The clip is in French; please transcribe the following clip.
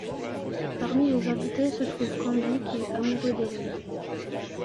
Parmi les invités, se trouve Canby, qui est amoureux d'Helen.